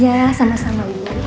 ya sama sama bu